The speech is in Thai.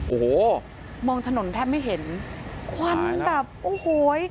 โอ้โหมองถนนแทบไม่เห็นควันแบบโอ้โห